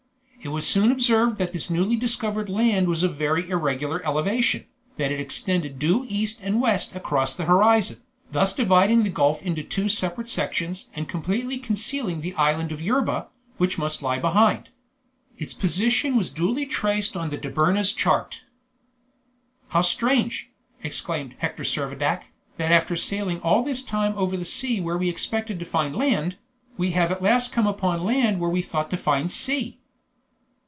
It was soon observed that this newly discovered land was of very irregular elevation, that it extended due east and west across the horizon, thus dividing the gulf into two separate sections and completely concealing the island of Jerba, which must lie behind. Its position was duly traced on the Dobryna's chart. "How strange," exclaimed Hector Servadac, "that after sailing all this time over sea where we expected to find land, we have at last come upon land where we thought to find sea!"